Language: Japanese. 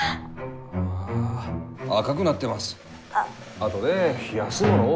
あとで冷やすものを。